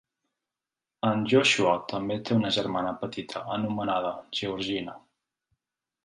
En Joshua també té una germana petita anomenada Georgina.